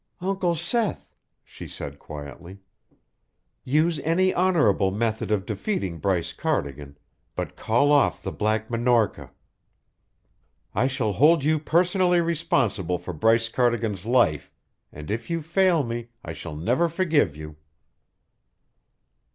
"Uncle Seth," she said quietly, "use any honourable method of defeating Bryce Cardigan, but call off the Black Minorca. I shall hold you personally responsible for Bryce Cardigan's life, and if you fail me, I shall never forgive you."